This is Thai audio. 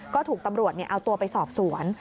ก็ถูกตำรวจเอาตัวไปสอบสวน